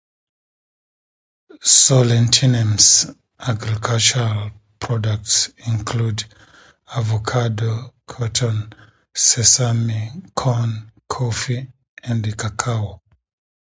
Solentiname's agricultural products include avocado, cotton, sesame, corn, coffee and cacao.